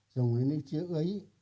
dùng những chữ ấy